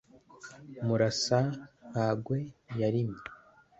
murasa-nkagwe yarimye